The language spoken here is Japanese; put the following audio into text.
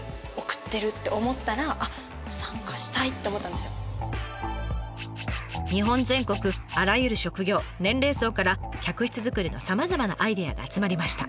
でも日本全国あらゆる職業年齢層から客室作りのさまざまなアイデアが集まりました。